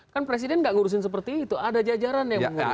kan presiden nggak ngurusin seperti itu ada jajaran yang menguruskan